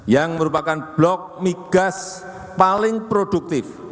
yang merupakan blok migas paling produktif